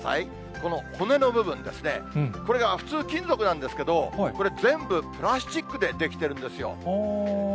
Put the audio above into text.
この骨の部分ですね、これが普通、金属なんですけれども、これ全部プラスチックで出来てるんですよ。